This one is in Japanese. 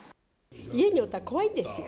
家におったら怖いですよ。